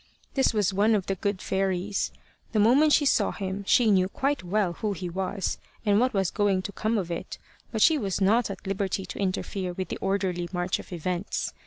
This was one of the good fairies. The moment she saw him she knew quite well who he was and what was going to come of it; but she was not at liberty to interfere with the orderly march of events.